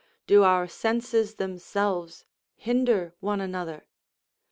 do our senses themselves hinder one another?